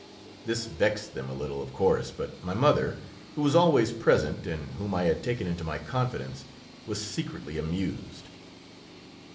This vexed them a little, of course, but my mother, who was always present, and whom I had taken into my confidence, was secretly amused.